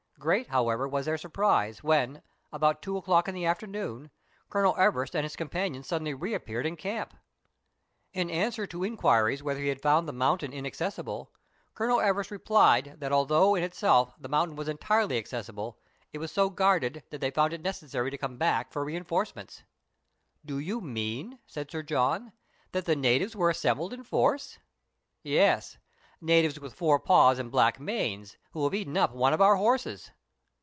Great, however, was their surprise, when, about two o'clock in the afternoon, Colonel Everest and his companions suddenly reappeared in camp. In answer to inquiries whether he had found the moun tain inaccessible. Colonel Everest replied that although in itself the mountain was entirely accessible, it was so guarded that they had found it necessary to come back for rein forcements. " Do you mean," said Sir John, " that the natives were assembled in force .''"" Yes, natives with four paws and black manes, who have eaten up one of our horses."